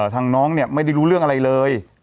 ทางน้องเนี่ยไม่ได้รู้เรื่องอะไรเลย